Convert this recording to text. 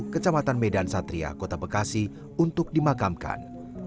kecamatan medan satria kota bekasi untuk dimakamkan